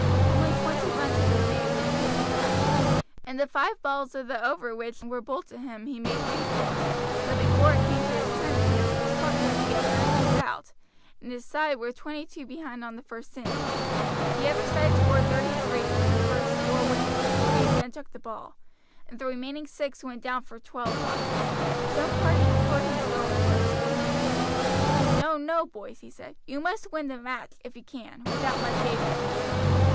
Only twenty runs had been made when he took the bat. In the five balls of the over which were bowled to him he made three fours; but before it came to his turn again his partner at the other end was out, and his side were twenty two behind on the first innings. The other side scored thirty three for the first four wickets before he again took the ball, and the remaining six went down for twelve runs. His own party implored him to go in first, but he refused. "No, no, boys," he said; "you must win the match, if you can, without much aid from me."